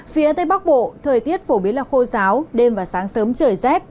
phía tây bắc bộ thời tiết phổ biến là khô giáo đêm và sáng sớm trời rét